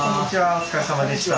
お疲れさまでした。